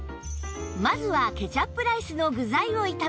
まずはケチャップライスの具材を炒めます